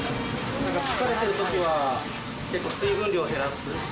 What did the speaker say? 疲れてるときは、結構水分量減らす。